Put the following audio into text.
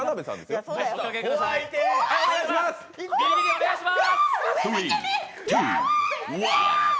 ビリビリお願いします！